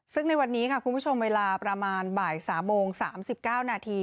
ซึ่งในวันนี้ค่ะคุณผู้ชมเวลาประมาณบ่าย๓โมง๓๙นาที